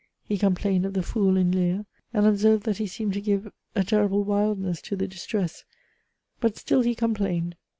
He complained of the fool in LEAR. I observed that he seemed to give a terrible wildness to the distress; but still he complained.